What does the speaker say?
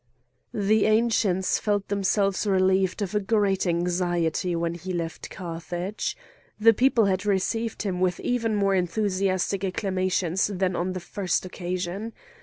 The Ancients felt themselves relieved of a great anxiety, when he left Carthage. The people had received him with even more enthusiastic acclamations than on the first occasion.